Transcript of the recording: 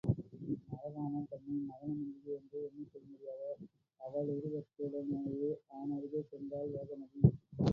நரவாணன் தன்னை மதனமஞ்சிகை என்றே எண்ணிக் கொள்ளும்படியாக, அவளுருவத்துடனேயே அவனருகே சென்றாள் வேகவதி.